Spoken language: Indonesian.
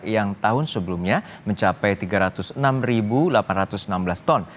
yang tahun sebelumnya mencapai tiga ratus enam delapan ratus enam belas ton